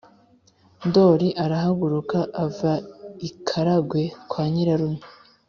” ndoli arahaguruka ava i karagwe kwa nyirarume